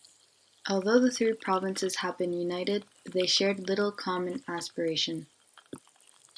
Although the three provinces had been united, they shared little common aspiration.